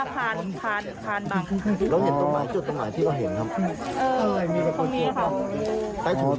เพราะว่าพานบังแล้วเห็นต้นถุนหมายที่เราเห็นครับ